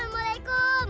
terima kasih kang